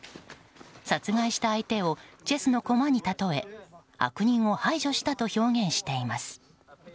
殺害した相手をチェスの駒にたとえ悪人を排除したと表現しています。